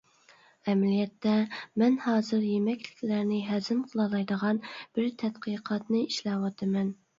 ئەمەلىيەتتە مەن ھازىر يېمەكلىكلەرنى ھەزىم قىلالايدىغان بىر تەتقىقاتنى ئىشلەۋاتىمەن.